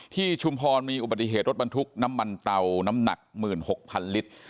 ชุมพรมีอุบัติเหตุรถบรรทุกน้ำมันเตาน้ำหนัก๑๖๐๐๐ลิตร